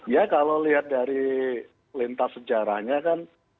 ya kalau lihat dari lintas sejarahnya kan